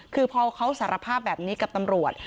คือพอเขาสารภาพแบบนี้กับตำรวจ